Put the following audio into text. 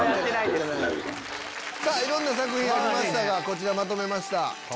いろんな作品ありましたがこちらまとめました。